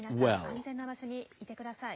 皆さん、安全な場所にいてください。